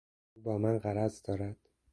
او با من غرض دارد.